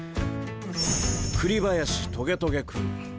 栗林トゲトゲ君。